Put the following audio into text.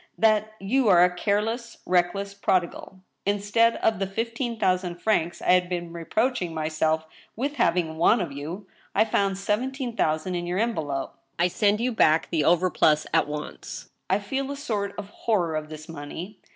that you are a careless, reckless prodigal. Instead of the fifteen thousand francs I had been reproaching myself with having won of you, I found seventeen thousand in your envelope. *' I send you back the overplus at once ; I feel a sort of horror of this money.